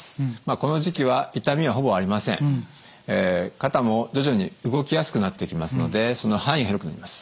肩も徐々に動きやすくなってきますのでその範囲が広くなります。